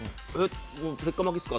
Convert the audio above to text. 鉄火巻きですか？